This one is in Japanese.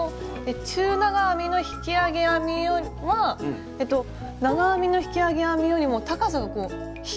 中長編みの引き上げ編みは長編みの引き上げ編みよりも高さがこう低いっていうことですよね？